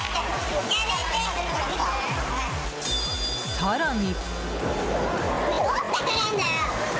更に。